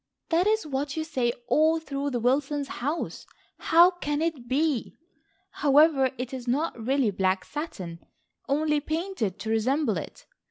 That is what you say all through the Wilsons' house. How can it be! However it is not really black satin, only painted to resemble it.